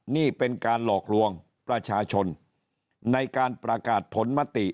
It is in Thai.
นี่เป็นการหลอกลวงประชาชนในการประกาศผลมติ